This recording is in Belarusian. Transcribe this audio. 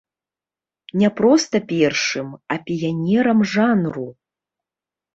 Не проста першым, а піянерам жанру.